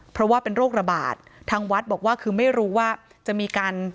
เพราะว่าเป็นโรคระบาดทางวัดบอกว่าคือไม่รู้ว่าจะมีการ